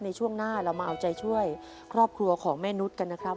ในช่วงหน้าเรามาเอาใจช่วยครอบครัวของแม่นุษย์กันนะครับ